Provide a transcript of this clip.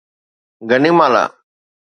Guatemala